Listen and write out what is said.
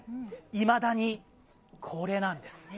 いまだに、これなんです。